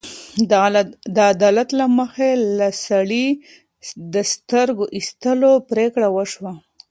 د عدالت له مخې د سړي د سترګې ایستلو پرېکړه وشوه.